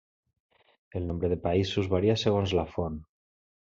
El nombre de països varia segons la font.